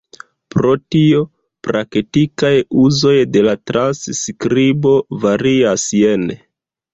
Pro tio, praktikaj uzoj de la transskribo varias jene.